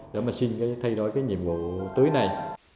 để mà xin thay đổi cái nhiệm vụ tới này